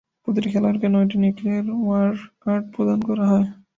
প্রতিটি খেলোয়াড়কে নয়টি নিউক্লিয়ার ওয়ার কার্ড প্রদান করা হয়।